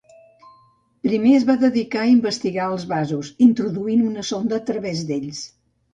Primer es va dedicar a investigar els vasos, introduint una sonda a través d'ells.